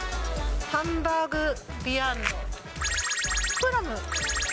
ハンバーグヴィアンド。